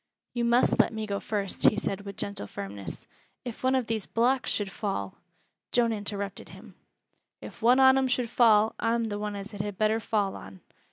"You must let me go first," he said with gentle firmness. "If one of these blocks should fall " Joan interrupted him: "If one on 'em should fall, I'm th' one as it had better fall on.